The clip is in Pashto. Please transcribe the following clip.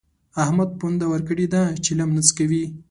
احمد پونده ورکړې ده؛ چلم نه څکوي.